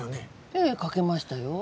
ええかけましたよ。